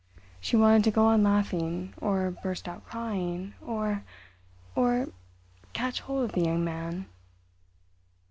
She wanted to go on laughing—or burst out crying—or—or—catch hold of the Young Man.